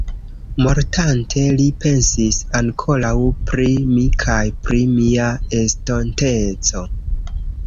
Mortante, li pensis ankoraŭ pri mi kaj pri mia estonteco.